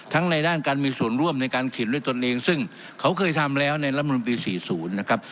ในด้านการมีส่วนร่วมในการเขียนด้วยตนเองซึ่งเขาเคยทำแล้วในรัฐมนุนปี๔๐นะครับ